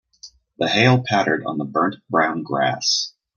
The hail pattered on the burnt brown grass.